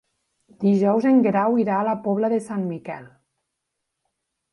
Dijous en Guerau irà a la Pobla de Sant Miquel.